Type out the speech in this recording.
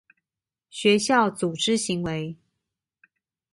學校組織行為